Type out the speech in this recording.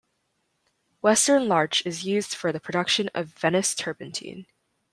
Western larch is used for the production of Venice turpentine.